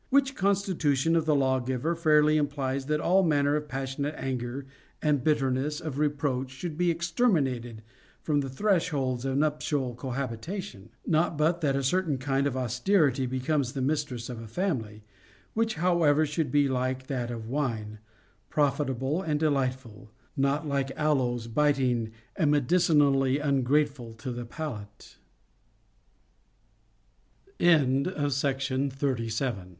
Which constitution of the lawgiver fairly implies that all manner of passionate anger and bitterness of re proach should be exterminated from the thresholds of nuptial cohabitation. Not but that a certain kind of austerity becomes the mistress of a family ; which how ever should be like that of wine, profitable and delightful, not like aloes, biting and medicinally ungrateful to the